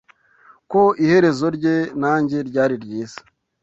ko iherezo rye nanjye ryari ryiza